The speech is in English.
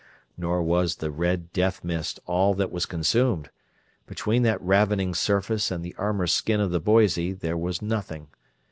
Nor was the red death mist all that was consumed. Between that ravening surface and the armor skin of the Boise there was nothing.